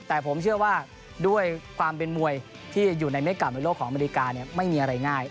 แต่ผมเชื่อว่าด้วยความเป็นมวยที่อยู่ในเม็กเก่าในโลกของอเมริกาไม่มีอะไรง่าย